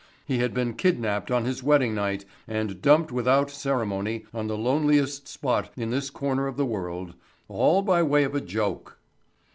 He had been kidnapped on his wedding night and dumped without ceremony on the loneliest spot in this corner of the world—all by way of a joke.